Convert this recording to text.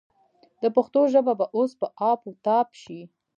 د پښتو ژبه به اوس په آب و تاب شي.